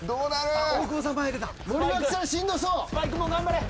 スパイクも頑張れ。